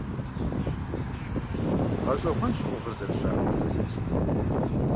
ГъэщӀэгъуэнщ къугъыр зэрыщакӀуэм укӀэлъыплъыну.